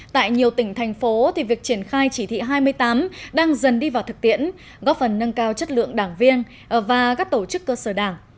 tại nhiều tỉnh thành phố việc triển khai chỉ thị hai mươi tám đang dần đi vào thực tiễn góp phần nâng cao chất lượng đảng viên và các tổ chức cơ sở đảng